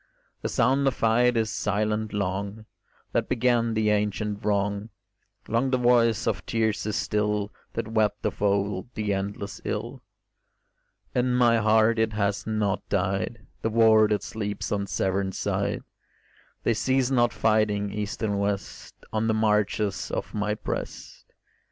The sound of fight is silent long That began the ancient wrong; Long the voice of tears is still That wept of old the endless ill. In my heart it has not died, The war that sleeps on Severn side; They cease not fighting, east and west, On the marches of my breast.